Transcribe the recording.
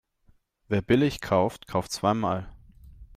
Wer billig kauft, kauft zweimal.